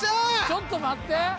ちょっと待って。